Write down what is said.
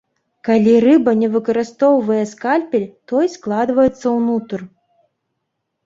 Калі рыба не выкарыстоўвае скальпель, той складваецца ўнутр.